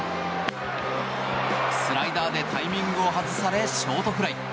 スライダーでタイミングを外されショートフライ。